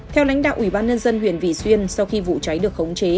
theo lãnh đạo ủy ban nhân dân huyện vị xuyên sau khi vụ cháy được khống chế